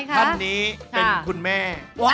ท่านนี้เป็นคุณแม่